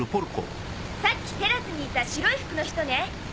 さっきテラスにいた白い服の人ね。